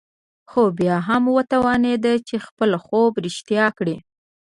خو بيا هم وتوانېد چې خپل خوب رښتيا کړي.